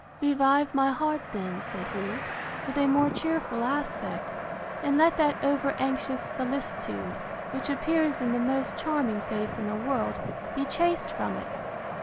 Revive my heart then, said he, with a more cheerful aspect; and let that over anxious solicitude, which appears in the most charming face in the world, be chased from it.